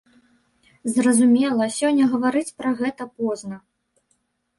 Зразумела, сёння гаварыць пра гэта позна.